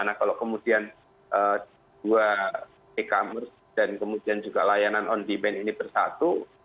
nah kalau kemudian dua e commerce dan kemudian juga layanan on demand ini bersatu